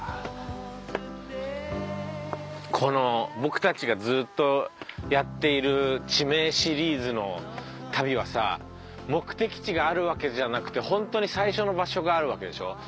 この僕たちがずっとやっている地名シリーズの旅はさ目的地があるわけじゃなくてホントに最初の場所があるわけでしょ？